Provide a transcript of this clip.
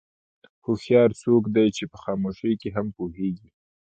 هوښیار څوک دی چې په خاموشۍ کې هم پوهېږي.